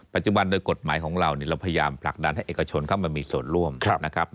ปัจจุบันโดยกฎหมายของเราเราพยายามผลักดันให้เอกชนเข้ามามีส่วนร่วมนะครับ